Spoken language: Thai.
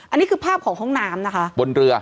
อันนี้คือภาพของห้องน้ำนะคะบนเรือ